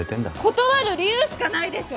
断る理由しかないでしょ！